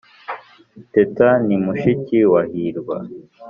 teta ni mushiki wa hirwa